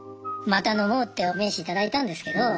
また飲もうってお名刺頂いたんですけど。